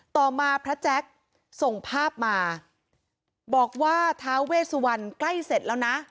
ต่อมาพระแจ๊คส่งภาพมาบอกว่าท้าเวสวันใกล้เสร็จแล้วนะ